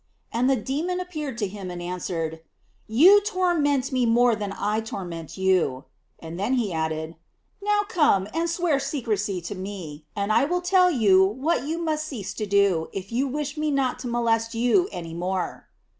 And the demon appeared to him and answered: " You torment me more than I torment you;" and then he added: " Now come, and swear secrecy to me, and I will tell you what you must cease to do, if you wish me not to molest you any more."